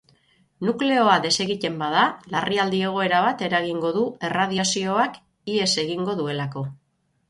Nukleoa desegiten bada, larrialdi egoera bat eragingo du erradiazioak ihes egingo duelako.